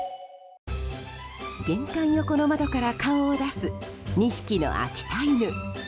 玄関の横の窓から顔を出す２匹の秋田犬。